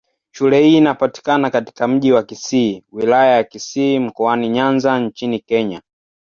Shule hii inapatikana katika Mji wa Kisii, Wilaya ya Kisii, Mkoani Nyanza nchini Kenya.